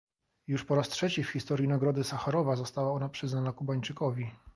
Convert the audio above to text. Już po raz trzeci w historii Nagrody Sacharowa została ona przyznana Kubańczykowi